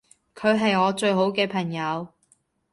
佢係我最好嘅朋友